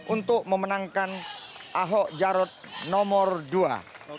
untuk memenangkan ahok jarot nomor dua